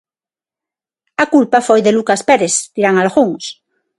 A culpa foi de Lucas Pérez, dirán algúns.